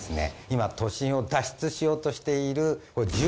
今都心を脱出しようとしている。